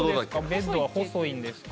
ベッドは細いんですか？